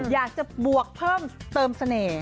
อยากจะบวกเพิ่มเติมเสน่ห์